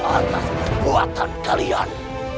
atas kekuatan kalian